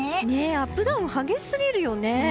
アップダウンが激しすぎるよね。